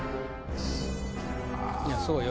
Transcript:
いやそうよ